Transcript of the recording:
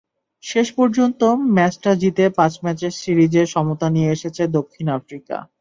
শেষ পর্যন্ত ম্যাচটা জিতে পাঁচ ম্যাচের সিরিজে সমতা নিয়ে এসেছে দক্ষিণ আফ্রিকা।